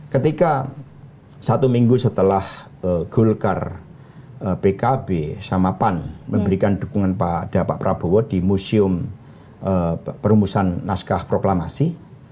ketika satu minggu setelah golkar pkb sama pan memberikan dukungan pada pak prabowo di museum perumusan naskah proklamasi